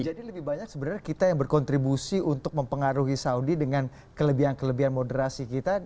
jadi lebih banyak sebenarnya kita yang berkontribusi untuk mempengaruhi saudi dengan kelebihan kelebihan moderasi kita